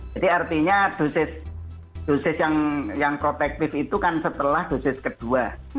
jadi artinya dosis yang protektif itu kan setelah dosis kedua